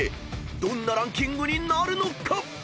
どんなランキングになるのか］